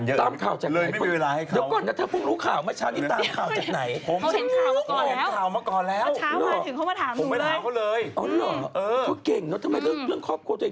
เยอะนะผมพอดูไลน์ของเพื่อนว่าเพื่อนส่งมาจริงหรือเปล่า